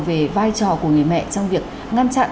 về vai trò của người mẹ trong việc ngăn chặn